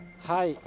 はい。